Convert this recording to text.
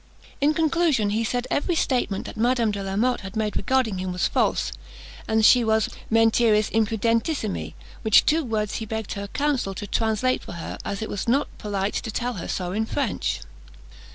In conclusion, he said every statement that Madame de la Motte had made regarding him was false, and that she was mentiris impudentissime, which two words he begged her counsel to translate for her, as it was not polite to tell her so in French.